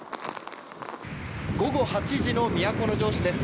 午後８時の都城市です。